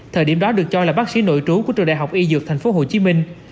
thời điểm đó được cho là bác sĩ nội trú của trường đại học y dược thành phố hồ chí minh